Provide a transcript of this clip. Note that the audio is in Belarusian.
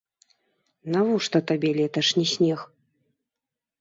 Навошта табе леташні снег?